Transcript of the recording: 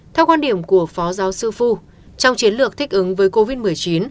theo quan điểm của phó giáo sư phu trong chiến lược thích ứng với covid một mươi chín